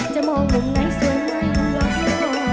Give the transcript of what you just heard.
จะมองมุมไหนสวยไหมล็อตเหลือ